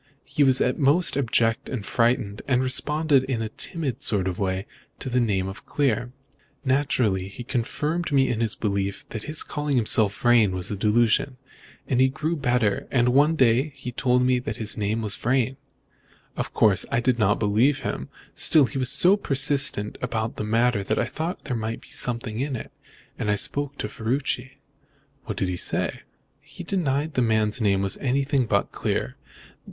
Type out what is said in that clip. He was most abject and frightened, and responded in a timid sort of way to the name of Clear. Naturally this confirmed me in my belief that his calling himself Vrain was a delusion. Then he grew better, and one day told me that his name was Vrain. Of course, I did not believe him. Still, he was so persistent about the matter that I thought there might be something in it, and spoke to Ferruci." "What did he say?" "He denied that the man's name was anything but Clear.